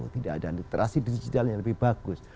tidak ada literasi digital yang lebih bagus